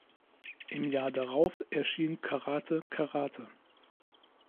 Im Jahr darauf erschien "Karate Karate".